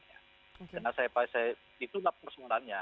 karena saya pikir itu adalah persoalannya